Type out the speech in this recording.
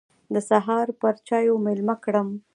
د سهار پر چايو مېلمه کړم.